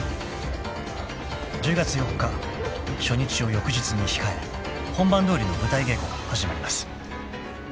［初日を翌日に控え本番どおりの舞台稽古が始まります］